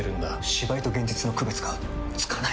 芝居と現実の区別がつかない！